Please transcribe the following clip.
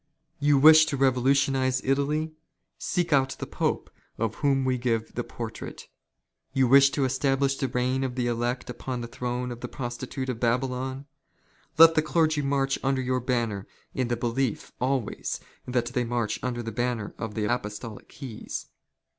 You "wish to revolutionize Italy? Seek out the Pope of whom we " give the portrait. You wish to establish the reign of the elect " upon the throne of the prostitute of Babylon ? Let the clergy '' march under your banner in the belief always that they march " under the banner of the Apostolic Keys.